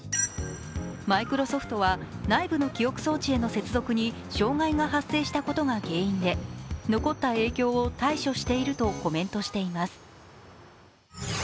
マイクロソフトは内部の記憶装置への接続に障害が発生したことが原因で残った影響を対処しているとコメントしています。